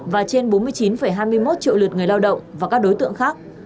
và trên bốn mươi chín hai mươi một triệu lượt người lao động và các đối tượng khác